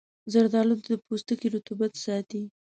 زردآلو د پوستکي رطوبت ساتي.